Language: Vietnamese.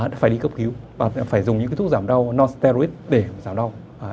đã phải đi cấp cứu và phải dùng những cái thuốc giảm đau non steroid để giảm đau